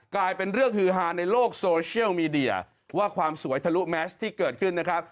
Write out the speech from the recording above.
กลายเป็นเรื่องฮือฮาในโลกโซเชียลมีเดียว่าความสวยทะลุแมสที่เกิดขึ้นนะครับ